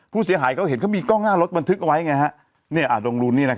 ผู้เสียหายเขาเห็นเขามีกล้องหน้ารถบันทึกเอาไว้ไงฮะดงรุนนี่นะครับ